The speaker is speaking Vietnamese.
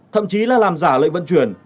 thậm chí là làm giả lệnh vận chuyển